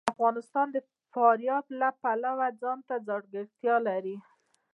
افغانستان د فاریاب د پلوه ځانته ځانګړتیا لري.